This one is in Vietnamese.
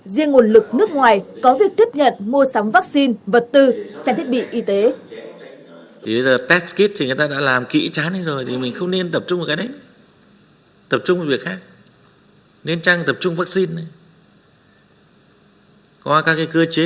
riêng nguồn lực nước ngoài có việc tiếp nhận mua sắm vaccine vật tư trang thiết bị y tế